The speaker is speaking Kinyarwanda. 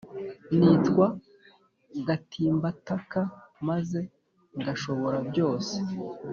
nitwa gatimbataka, maze ngashobora byose,